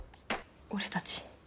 「俺たち」